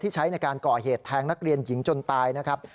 ใช้ในการก่อเหตุแทงนักเรียนหญิงจนตายนะครับ